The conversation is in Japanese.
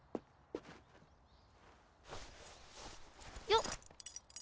よっ。